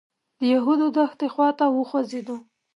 د یهودو دښتې خوا ته وخوځېدو.